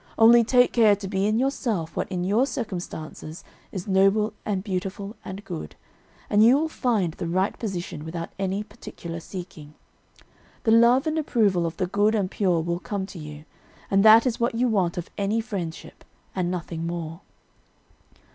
Only take care to be in yourself what in your circumstances is noble and beautiful and good, and you will find the right position without any particular seeking. The love and approval of the good and pure will come to you, and that is what you want of any friendship, and nothing more.